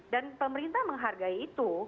dan pemerintah menghargai itu